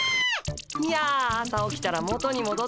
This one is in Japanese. いや朝起きたら元にもどってました。